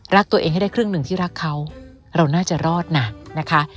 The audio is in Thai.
รักตัวเองให้ได้ครึ่งหนึ่งที่รักเขาเราน่าจะรอดนะนะคะ